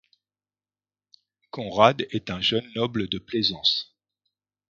Conrad est un jeune noble de Plaisance.